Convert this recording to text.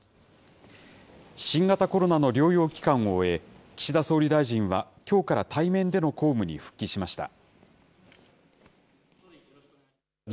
新型コロナの療養期間を終え、岸田総理大臣は、きょうから対面での公務に復帰しました。